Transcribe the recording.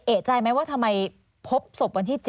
เอกใจไหมว่าทำไมพบศพวันที่๗